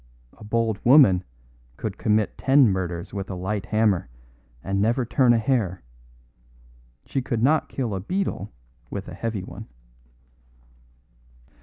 A bold woman could commit ten murders with a light hammer and never turn a hair. She could not kill a beetle with a heavy one."